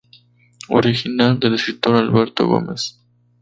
Original del escritor Alberto Gómez.